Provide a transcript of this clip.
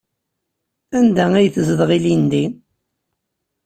Anda ay tezdeɣ ilindi?